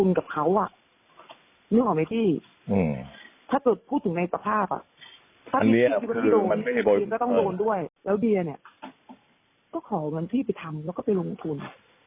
แล้วเบียก็ขอเงินพี่ไปทำแล้วก็ไปลงทุน